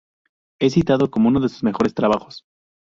Es citado como uno de sus mejores trabajos.